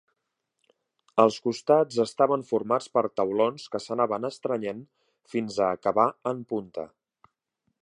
Els costats estaven formats per taulons que s'anaven estrenyent fins a acabar en punta.